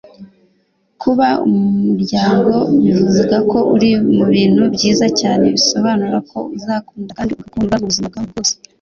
kuba umuryango bivuze ko uri mubintu byiza cyane. bisobanura ko uzakunda kandi ugakundwa ubuzima bwawe bwose. - lisa weedn